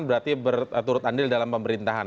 berarti berturut andil dalam pemerintahan